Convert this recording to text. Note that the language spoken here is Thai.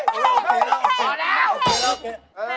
เฮ่ยโอเคแล้วอร่อยแล้ว